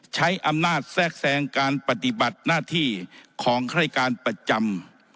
ใช้อำนาจแทรกแทรงการปฏิบัติหน้าที่ของฆาติการประจำ